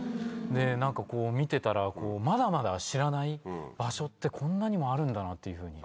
何かこう見てたらまだまだ知らない場所ってこんなにもあるんだなっていうふうに。